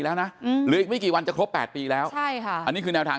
แล้วนะหรืออีกไม่กี่วันจะครบ๘ปีแล้วใช่ค่ะอันนี้คือแนวทาง